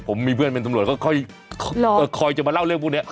ผมมีเพื่อนเป็นตำรวจก็ค่อยจะมาเล่าเรื่องพวกนี้